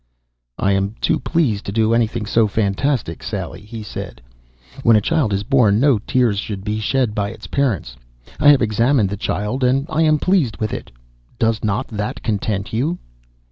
"I am too pleased to do anything so fantastic, Sally," he said. "When a child is born no tears should be shed by its parents. I have examined the child and I am pleased with it. Does not that content you?"